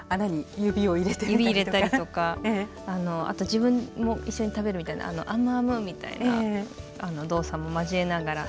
指入れたりとかあと自分も一緒に食べるみたいなアムアムみたいな動作も交えながら。